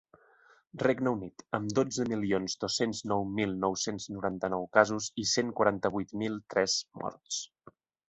Regne Unit, amb dotze milions dos-cents nou mil nou-cents noranta-un casos i cent quaranta-vuit mil tres morts.